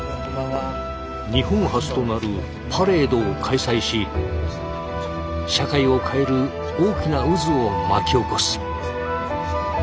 日本初となるパレードを開催し社会を変える大きな渦を巻き起こす。